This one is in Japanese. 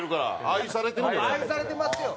愛されてますよ。